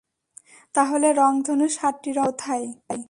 তাহলে রংধনু সাতটি রং পেল কোথায়।